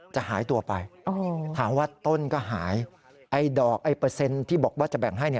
จะหายตัวไปถามว่าต้นก็หายไอ้ดอกไอ้เปอร์เซ็นต์ที่บอกว่าจะแบ่งให้เนี่ย